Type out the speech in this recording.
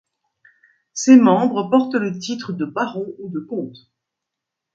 Ses membres portent le titre de baron ou de comte.